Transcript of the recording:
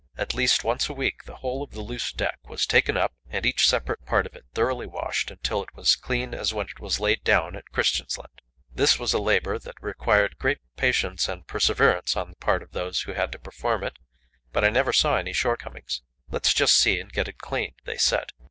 At least once a week the whole of the loose deck was taken up, and each separate part of it thoroughly washed, until it was as clean as when it was laid down at Christiansand. This was a labour that required great patience and perseverance on the part of those who had to perform it, but I never saw any shortcomings. "Let's just see and get it clean," they said.